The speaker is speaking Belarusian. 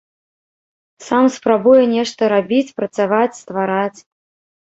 Сам спрабуе нешта рабіць, працаваць, ствараць.